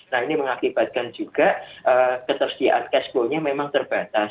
nah ini mengakibatkan juga ketersediaan cash flow nya memang terbatas